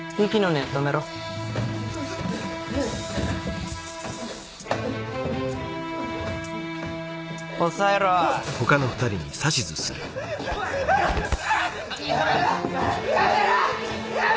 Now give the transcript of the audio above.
やめろー！